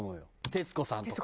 徹子さんとか。